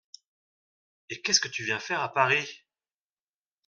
Et qu’est-ce que tu viens faire à Paris ?